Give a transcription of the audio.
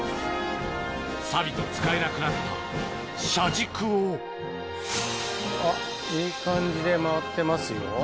さびて使えなくなった車軸をあっいい感じで回ってますよ。